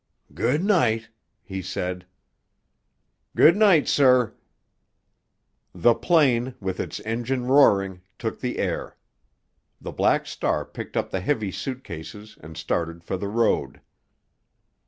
"Good night," he said. "Good night, sir." The plane, with its engine roaring, took the air. The Black Star picked up the heavy suit cases and started for the road.